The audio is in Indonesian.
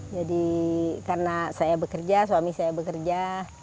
jadi karena saya bekerja suami saya bekerja